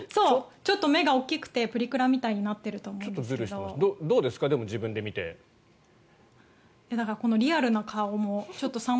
ちょっと目が大きくてプリクラみたいになっていると思うんですけど。